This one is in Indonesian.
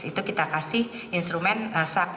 itu kita kasih instrumen sak